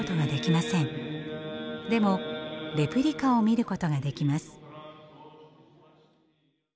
でもレプリカを見ることができます。